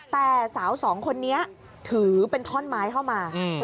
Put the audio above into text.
แต่สาวสองคนนี้ถือเป็นท่อนไม้เข้ามา